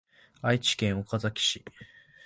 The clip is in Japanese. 愛知県岡崎市